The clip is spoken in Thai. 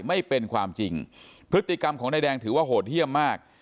ไม่เป็นความจริงพฤติกรรมของนายแดงถือว่าโหดเยี่ยมมาก